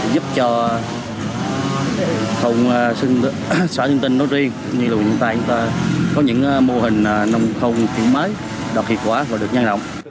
giúp cho xã sơn tinh nốt riêng như là huyện sơn tây có những mô hình nông không thiếu mới đọc hiệu quả và được nhanh động